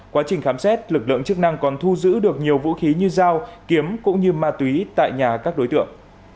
quá trình khám xét lực lượng chức năng còn thu giữ được nhiều vũ khí như dao kiếm cũng như ma túy tại nhà các đối tượng